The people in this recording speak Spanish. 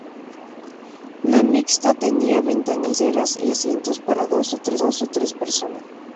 La mixta tenía ventanillas traseras y asiento para dos o tres personas.